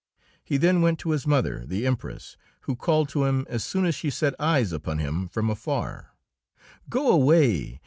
He then went to his mother, the Empress, who called to him as soon as she set eyes upon him from afar: "Go away!